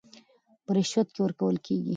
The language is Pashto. په رشوت کې ورکول کېږي